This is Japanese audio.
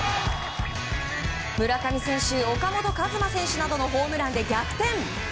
村上選手岡本和真選手などのホームランで逆転。